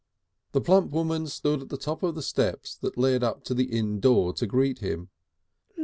The plump woman stood at the top of the steps that led up to the inn door to greet him.